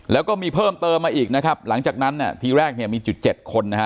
แล้วก็มีเพิ่มเติมมาอีกนะครับหลังจากนั้นทีแรกมีจุด๗คนนะฮะ